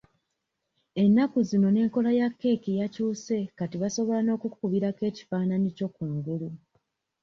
Ennaku zino n'enkola ya keeki yakyuse kati basobola n'okukukubirako ekifaananyi kyo ku ngulu.